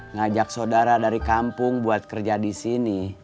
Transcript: ngajak saudara dari kampung buat kerja di sini